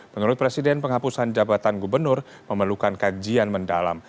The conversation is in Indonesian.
menurut presiden penghapusan jabatan gubernur memerlukan kajian mendalam